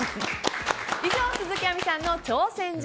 以上、鈴木亜美さんの挑戦状